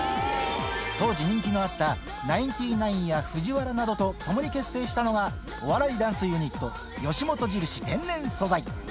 当時、人気のあったナインティナインやＦＵＪＩＷＡＲＡなどとともに結成したのがお笑いダンスユニット、吉本印天然素材。